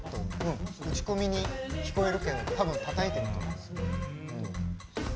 打ち込みに聞こえるけど多分たたいてると思います。